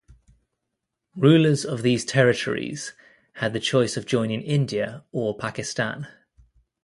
Rulers of these territories had the choice of joining India or Pakistan.